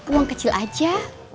uang kecil aja